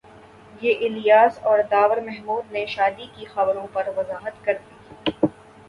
منہ الیاس اور داور محمود نے شادی کی خبروں پر وضاحت کردی